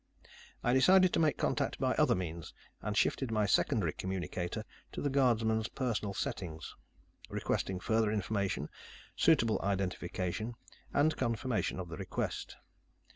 I decided to make contact by other means, and shifted my secondary communicator to the guardsman's personal settings, requesting further information, suitable identification, and confirmation of the request.